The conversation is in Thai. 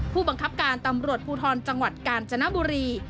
ผู้บังคับการตำรวจภูทรจังหวัดกาญจนบุรี